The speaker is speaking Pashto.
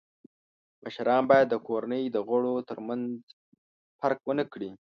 مشران باید د کورنۍ د غړو تر منځ فرق و نه کړي.